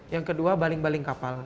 yang kedua baling baling kapal